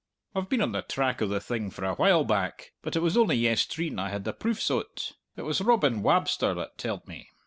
"I've been on the track o' the thing for a while back, but it was only yestreen I had the proofs o't. It was Robin Wabster that telled me.